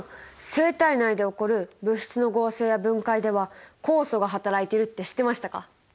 生体内で起こる物質の合成や分解では酵素がはたらいているって知ってましたか？